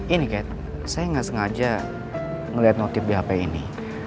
ini kat saya gak sengaja ngeliat notif di hp ini